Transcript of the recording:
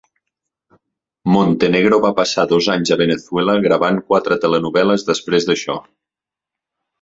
Montenegro va passar dos anys a Venezuela gravant quatre telenovel·les després d'això.